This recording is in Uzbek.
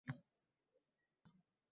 – Berdirahmat, tez chiqing, turnalar keldi!